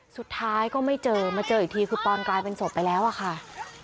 สุดท้ายก็ไม่เจอมาเจออีกทีคือปอนกลายเป็นศพไปแล้วอะค่ะ